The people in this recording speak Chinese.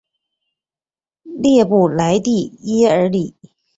勒布莱蒂耶尔里。